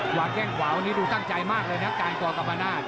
กว่าแก้งขวาวันนี้ดูตั้งใจมากเลยนะการ์นก่อกับอาณาจ